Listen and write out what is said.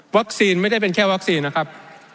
ไม่ได้เป็นแค่วัคซีนนะครับ